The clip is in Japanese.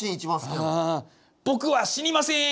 「僕は死にません」。